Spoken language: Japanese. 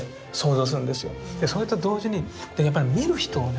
でそれと同時にやっぱり見る人をね